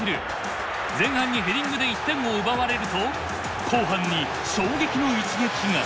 前半にヘディングで１点を奪われると後半に衝撃の一撃が。